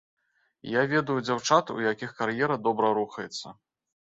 І я ведаю дзяўчат, у якіх кар'ера добра рухаецца.